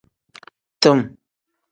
Tim.